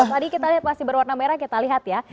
tadi kita lihat masih berwarna merah kita lihat ya